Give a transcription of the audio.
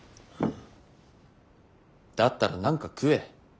だったら何か食え。